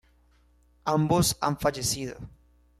Ambos han fallecido.